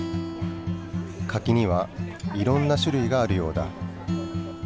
柿にはいろんな種類があるようだ。